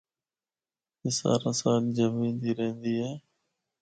اے سارا سال جمی دی رہندی اے۔